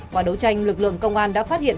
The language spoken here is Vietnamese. qua đấu tranh lực lượng công an đã phát hiện